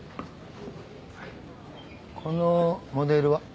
このモデルは？